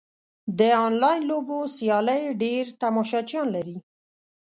د انلاین لوبو سیالۍ ډېر تماشچیان لري.